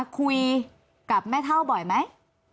คุยกับแม่เท่าบ่อยไหม